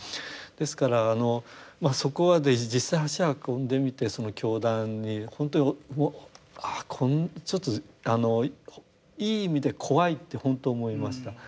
ですからそこまで実際足運んでみてその教団に本当にちょっとあのいい意味で怖いって本当思いました。